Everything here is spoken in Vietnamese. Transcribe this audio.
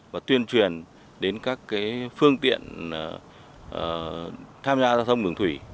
và tuyên truyền đến các phương tiện tham gia giao thông đường thủy